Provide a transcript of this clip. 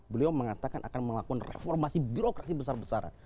beliau mengatakan akan melakukan reformasi birokrasi besar besaran